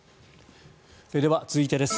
では、続いてです。